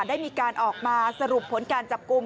ได้มีการออกมาสรุปผลการจับกลุ่ม